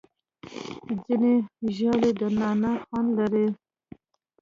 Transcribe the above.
ځینې ژاولې د نعناع خوند لري.